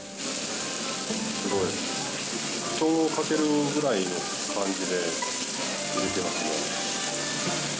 すごい、布団をかけるぐらいの感じで入れてますね。